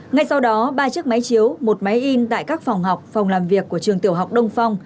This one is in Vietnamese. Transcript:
ngay sau đó ba chiếc máy chiếu một máy in tại các phòng học phòng làm việc của trường tiểu học đông phong